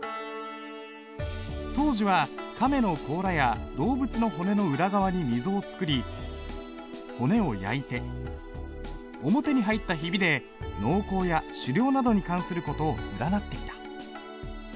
当時は亀の甲羅や動物の骨の裏側に溝を作り骨を焼いて表に入ったひびで農耕や狩猟などに関する事を占っていた。